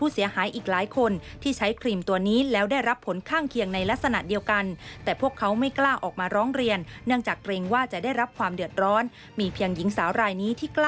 ที่กล้าจะออกมาเปิดโปรงเรื่องราวอุทหรณ์